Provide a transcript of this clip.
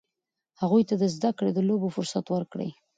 هغوی ته د زده کړې او لوبو فرصت ورکړئ.